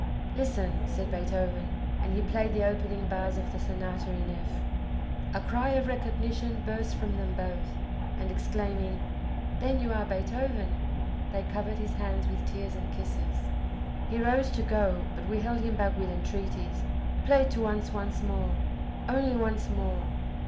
"Listen!" said Beethoven, and he played the opening bars of the Sonata in F. A cry of recognition burst from them both, and exclaiming: "Then you are Beethoven!" they covered his hands with tears and kisses. He rose to go, but we held him back with entreaties. "Play to us once more only once more!"